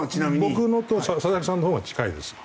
僕のと佐々木さんのほうが近いです。